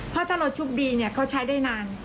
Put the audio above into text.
เพราะถ้าเราชุบดีเขาใช้ได้นาน